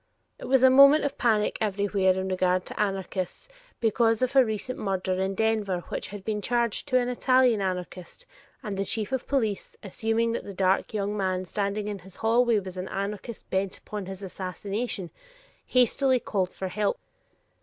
It was a moment of panic everwhere in regard to anarchists because of a recent murder in Denver which had been charged to an Italian anarchist, and the chief of police, assuming that the dark young man standing in his hallway was an anarchist bent upon his assassination, hastily called for help.